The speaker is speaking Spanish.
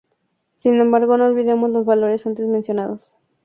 Sin embargo, no olvidemos los valores antes mencionados.